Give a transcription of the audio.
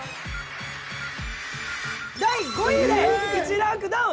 第５位で１ランクダウン。